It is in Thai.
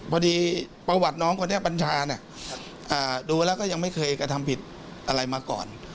พอดีประวัติน้องคนนี้ปัญชาเนี่ยดูแล้วก็ยังไม่เคยกระทำผิดอะไรมาก่อน